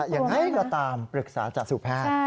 อย่างไรก็ตามปรึกษาจากสู่แพทย์